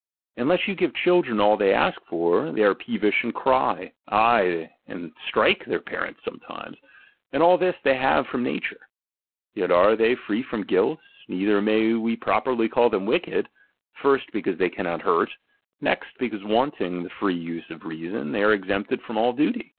Unless you give children all they ask for, they are peevish and cry, aye, and strike their parents sometimes; and all this they have from nature. Yet are they free from guilt, neither may we properly call them wicked ; first, because they cannot hurt ; next, because wanting the free use 1 let ^^ tie w ^^ a! TO THE READER. XVII ,of reason they are exempted from all duty.